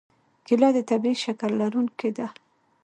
کېله د طبیعي شکر لرونکې ده.